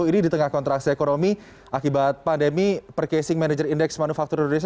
ini di tengah kontraksi ekonomi akibat pandemi percasing manager indeks manufaktur indonesia